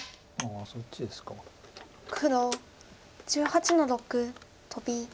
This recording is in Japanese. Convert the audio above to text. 黒１８の六トビ。